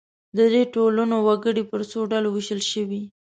د دې ټولنو وګړي پر څو ډلو وېشل شوي.